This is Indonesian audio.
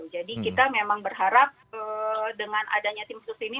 jadi kita memang berharap dengan adanya tim khusus ini